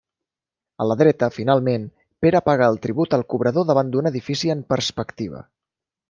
A la dreta, finalment, Pere paga el tribut al cobrador davant d'un edifici en perspectiva.